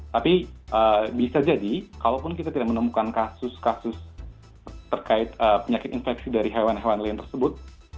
tapi bisa jadi kalaupun kita tidak menemukan kasus kasus terkait penyakit infeksi dari hewan hewan lain tersebut